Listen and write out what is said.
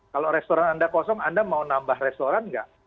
kalau restoran anda kosong anda mau nambah restoran nggak